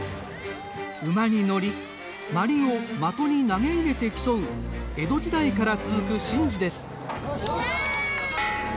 馬に乗り毬を的に投げ入れて競う江戸時代から続く神事です。